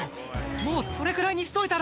もうそれくらいにしといたら？